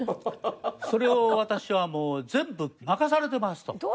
それを私はもう全部任されてますと。